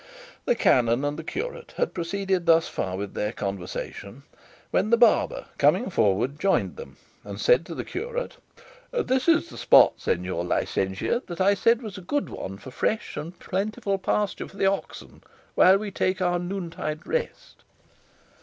The canon and the curate had proceeded thus far with their conversation, when the barber, coming forward, joined them, and said to the curate, "This is the spot, señor licentiate, that I said was a good one for fresh and plentiful pasture for the oxen, while we take our noontide rest."